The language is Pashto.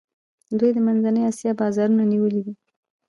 دوی د منځنۍ آسیا بازارونه نیولي دي.